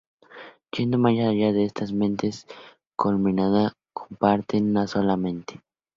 Yendo más allá, estas mentes colmena comparten una sola mente.